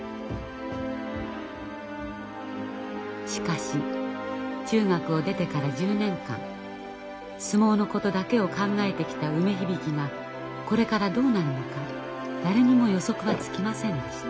しかし中学を出てから１０年間相撲のことだけを考えてきた梅響がこれからどうなるのか誰にも予測はつきませんでした。